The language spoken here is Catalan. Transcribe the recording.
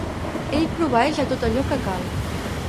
Ell proveeix a tot allò que cal.